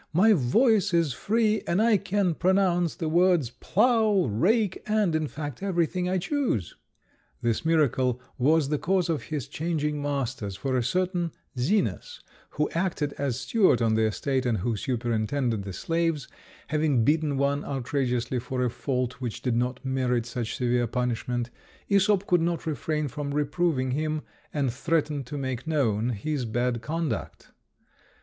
my voice is free, and I can pronounce the words 'plough,' 'rake,' and, in fact, everything I choose!" This miracle was the cause of his changing masters, for a certain Zenas, who acted as steward on the estate, and who superintended the slaves, having beaten one outrageously for a fault which did not merit such severe punishment, Æsop could not refrain from reproving him, and threatened to make known his bad conduct.